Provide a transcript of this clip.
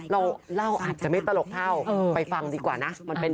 เราเล่าอาจจะไม่ตลกเท่าไปฟังดีกว่านะ